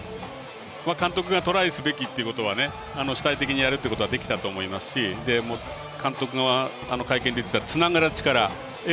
監督がトライすべきっていうことは主体的にやるということはできたと思いますし監督が会見で言っていたつながる力。